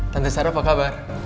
tante sarah apa kabar